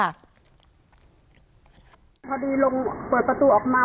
พอดีลงเปิดประตูออกมา